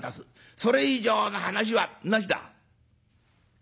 それ以上の話はなしだ」。